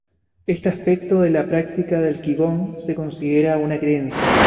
Este aspecto de la práctica del qigong se considera una creencia.